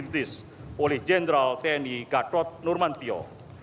yang telah dirintis oleh jenderal tni gatot nurmantio